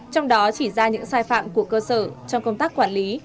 trong đó chỉ ra những sai phạm của cơ sở trong công tác quản lý